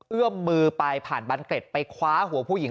เอื้อมมือไปผ่านบันเกร็ดไปคว้าหัวผู้หญิง